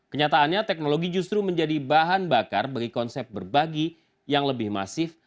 kenyataannya teknologi justru menjadi bahan bakar bagi konsep berbagi yang lebih masif